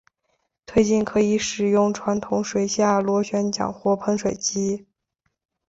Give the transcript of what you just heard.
推进可以使用传统水下螺旋桨或喷水机。